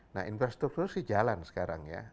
nah infrastruktur sih jalan sekarang ya